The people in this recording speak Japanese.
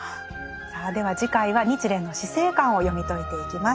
さあでは次回は日蓮の死生観を読み解いていきます。